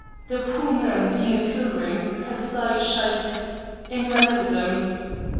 The poor man being a pilgrim has died Shahidin martyrdom.